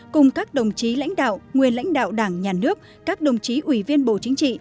cùng các đồng chí lãnh đạo nguyên lãnh đạo đảng nhà nước các đồng chí ủy viên bộ chính trị